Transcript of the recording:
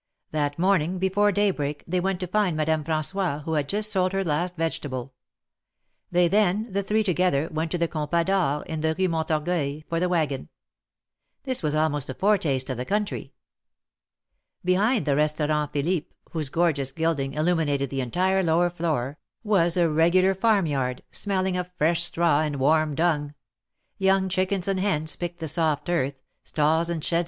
That morning before daybreak they went to find Madame Fran9ois, who liad just sold her last vegetable. They then, the three together, went to the Compas d'or, in the Rue Montorgueil, for the wagon. This was almost a foretaste of the country. Behind the Restaurant Philippe, whose gorgeous gilding illuminated the entire lower floor, was a regular farm yard, smelling of fresh straw and warm dung; young chickens and hens picked the soft earth, stalls and sheds THE MARKETS OF PARIS.